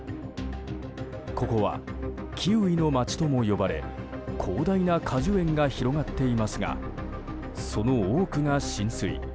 ここはキウイの町とも呼ばれ広大な果樹園が広がっていますがその多くが浸水。